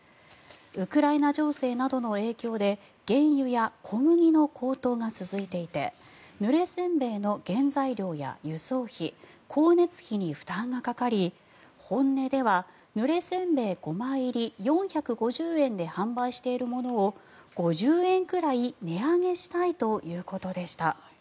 ウクライナ情勢などの影響で原油や小麦の高騰が続いていてぬれ煎餅の原材料や輸送費、光熱費に負担がかかり、本音ではぬれ煎餅５枚入り４５０円で販売しているものを５０円くらい値上げしたいということでした。